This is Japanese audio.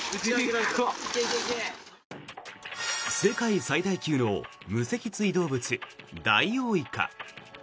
世界最大級の無脊椎生物ダイオウイカ。